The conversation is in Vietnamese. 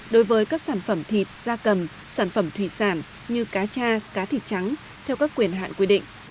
đối với các sản phẩm thịt da cầm sản phẩm thủy sản như cá cha cá thịt trắng theo các quyền hạn quy định